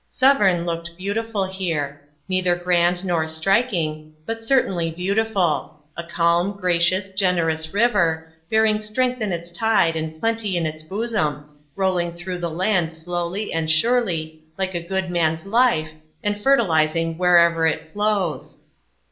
Severn looked beautiful here; neither grand nor striking, but certainly beautiful; a calm, gracious, generous river, bearing strength in its tide and plenty in its bosom, rolling on through the land slowly and surely, like a good man's life, and fertilising wherever it flows.